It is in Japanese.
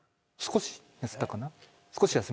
少し痩せたかな。